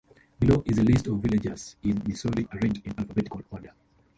Below is a list of villages in Missouri, arranged in alphabetical order.